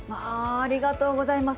ありがとうございます。